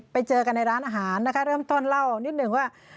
ไปเจอกันในร้านอาหารนะคะเริ่มต้นเล่านิดหนึ่งว่า